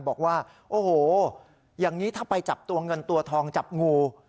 บอกว่าโอ้โหอย่างนี้ถ้าไปจับตัวเงินตัวทองจับงู